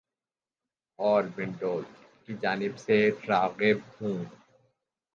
اور Windows eight کی جانب راغب ہوں ۔